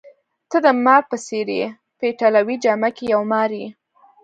ته د مار په څېر يې، په ایټالوي جامه کي یو مار یې.